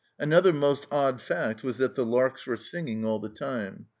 Another most odd fact was that the larks were singing all the time.